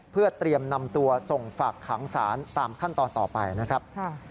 เพื่อเตรียมนำตัวส่งฝากขังสารตามขั้นตอนต่อไปนะครับ